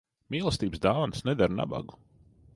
Mīlestības dāvanas nedara nabagu.